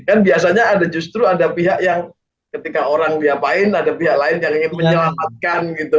kan biasanya ada justru ada pihak yang ketika orang diapain ada pihak lain yang ingin menyelamatkan gitu